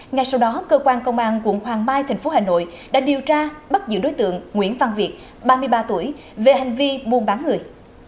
ngay sau đó cơ quan công an quận hoàng mai tp hà nội đã điều tra bắt giữ đối tượng nguyễn văn việt ba mươi ba tuổi về hành vi buôn bán người